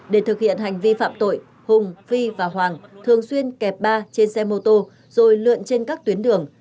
để thực hiện hành vi phạm tội hùng phi và hoàng thường xuyên kẹp ba trên xe mô tô rồi lượn trên các tuyến đường